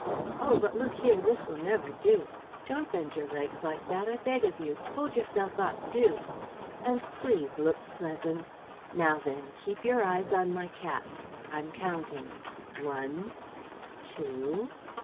... Oh, but look here, this will never do! Don't bend your legs like that, I beg of you. Hold yourself up, do! And please look pleasant. Now then; keep your eyes on my cap. ... I'm counting: one